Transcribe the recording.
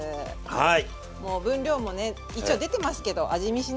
はい。